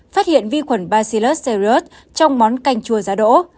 phát hiện vi khuẩn bacillus serrius trong món canh chua giá đỗ